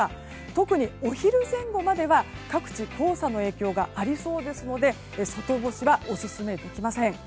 特にお昼前後までは、各地黄砂の影響がありそうですので外干しはオススメできません。